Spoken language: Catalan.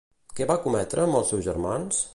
Què va cometre amb els seus germans?